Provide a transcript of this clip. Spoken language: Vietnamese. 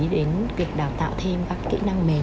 đến việc đào tạo thêm các kỹ năng mềm